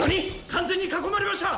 完全に囲まれました！